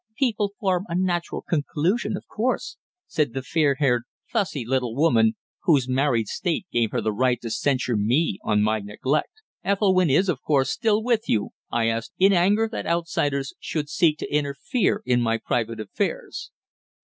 People form a natural conclusion, of course," said the fair haired, fussy little woman, whose married state gave her the right to censure me on my neglect. "Ethelwynn is, of course, still with you?" I asked, in anger that outsiders should seek to interfere in my private affairs.